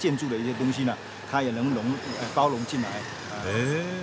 へえ！